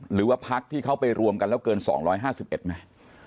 หรือว่าพักที่เขาไปรวมกันแล้วเกิน๒๕๑ไหม